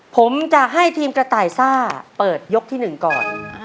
ผมจะให้ทีมกระต่ายซ่าเปิดยกที่๑ก่อน